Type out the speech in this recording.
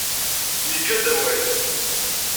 Yeǧǧa-d awal.